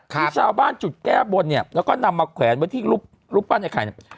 ที่ชาวบ้านจุดแก้บนเนี่ยแล้วก็นำมาแขวนไว้ที่รูปปั้นไอ้ไข่เนี่ย